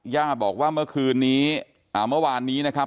ย่าบอกว่าเมื่อคืนนี้เมื่อวานนี้นะครับ